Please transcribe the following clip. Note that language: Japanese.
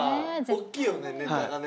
大きいよねネタがね。